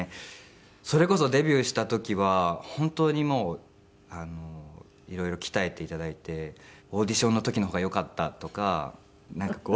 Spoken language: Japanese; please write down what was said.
それこそデビューした時は本当にもう色々鍛えて頂いてオーディションの時の方がよかったとかなんかこう。